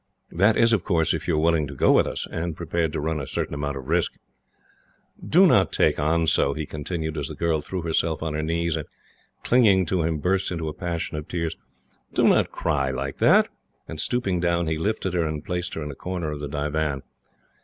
That is, of course, if you are willing to go with us, and prepared to run a certain amount of risk. "Do not take on so," he continued, as the girl threw herself on her knees, and, clinging to him, burst into a passion of tears. "Do not cry like that;" and, stooping down, he lifted her, and placed her in a corner of the divan.